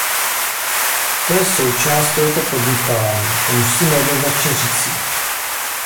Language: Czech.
To je součást tohoto podnikání, to musíme jednoznačně říci.